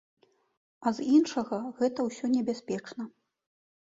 А з іншага, гэта ўсё небяспечна.